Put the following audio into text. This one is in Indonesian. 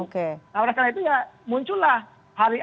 karena itu ya muncullah